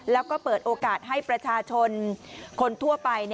แล้วก็เปิดโอกาสให้ประชาชนคนทั่วไป